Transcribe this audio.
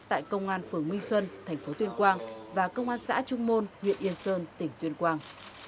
tại công an phường minh xuân thành phố tuyên quang và công an xã trung môn huyện yên sơn tỉnh tuyên quang